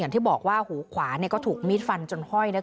อย่างที่บอกว่าหูขวานี่ก็ถูกมีดฟันจนห้อยเนี่ย